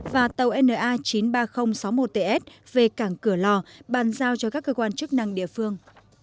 và tàu na chín mươi ba nghìn sáu mươi một ts về cảng cửa lò bàn giao cho các cơ quan chức năng địa phương